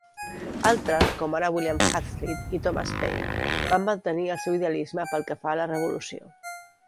Altres, com ara William Hazlitt i Thomas Paine, van mantenir el seu idealisme pel que fa a la revolució.